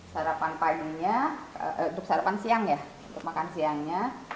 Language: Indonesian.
sarapan paginya untuk sarapan siang ya untuk makan siangnya